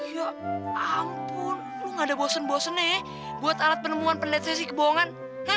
ya ampun lo nggak ada bosen bosen ya buat alat dynamo pendulum kebohongan